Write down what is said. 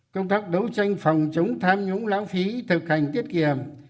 công tác đấu tranh phòng chống tham nhũng lãng phí thực hành tiết kiệm